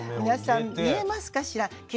皆さん見えますかしら。